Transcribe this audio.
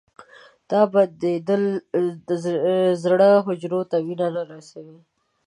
دا بندېدل زړه حجرو ته وینه نه رسوي.